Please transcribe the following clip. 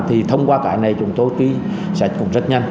thì thông qua cái này chúng tôi sẽ rất nhanh